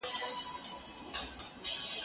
زه مخکي لاس مينځلي و